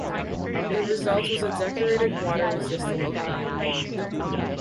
The result was a decorated water resistant pot.